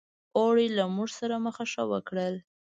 اوړي له موږ سره مخه ښه وکړل.